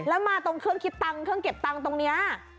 แล้วมาตรงเครื่องคิดตังค์เครื่องเก็บตังค์ตรงนี้